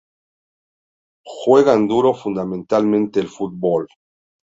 Juegan duro fundamentalmente el fútbol.